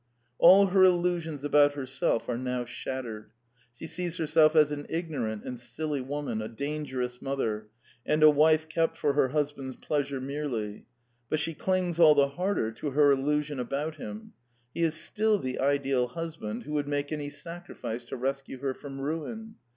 All her illusions about herself are now shat tered. She sees herself as an ignorant and silly woman, a dangerous mother, and a wife kept for her husband's pleasure merely; but she clings all the harder to her illusion about him: he is still the ideal husband who would make any sacrifice to rescue her from ruin.